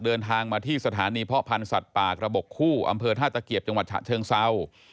เดินทางมาที่สถานีเพาะพันธ์สัตว์ป่ากระบบคู่อำเภอท่าตะเกียบจังหวัดฉะเชิงเศร้า